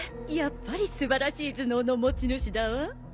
やっぱり素晴らしい頭脳の持ち主だわ。